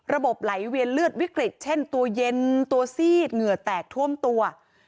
ไหลเวียนเลือดวิกฤตเช่นตัวเย็นตัวซีดเหงื่อแตกท่วมตัว